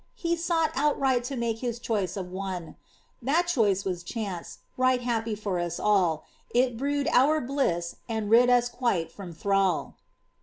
He Bought outright to make his choice of one ^ That choice was chance, right happy for us all. It brewed our bliss, and rid us quite from thrall.